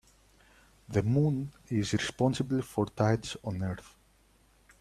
The moon is responsible for tides on earth.